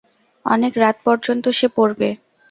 অনেক রাত পর্যন্ত সে পড়বে।